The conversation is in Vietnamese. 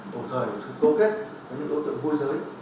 tổ thời chúng cố kết với những đối tượng vui giới